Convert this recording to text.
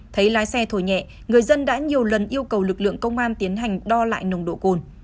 thấy lái xe thổi nhẹ người dân đã nhiều lần yêu cầu lực lượng công an tiến hành đo lại nồng độ cồn